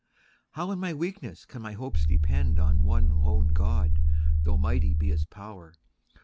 How in my weakness can my hopes depend On one lone God, though mighty be his pow'r?